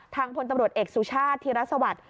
ทางพลตำรวจเอกสุชาติธิรัฐสวรรค์